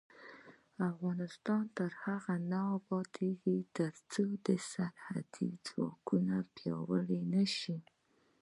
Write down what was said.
افغانستان تر هغو نه ابادیږي، ترڅو سرحدي ځواکونه پیاوړي نشي.